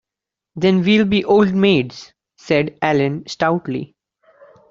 "Then we'll be old maids," said Allen stoutly.